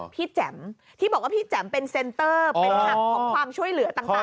แจ๋มที่บอกว่าพี่แจ๋มเป็นเซ็นเตอร์เป็นหักของความช่วยเหลือต่าง